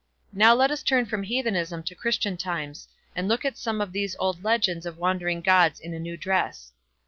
Now, let us turn from heathen to Christian times, and look at some of these old legends of wandering gods in a new dress.